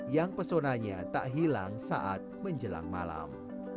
yang pesonanya tak hilang saat menjelang malam